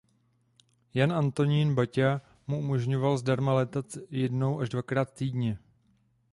Jan Antonín Baťa mu umožňoval zdarma létat jednou až dvakrát týdně.